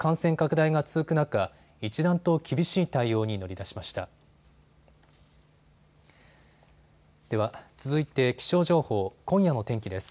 では続いて気象情報、今夜の天気です。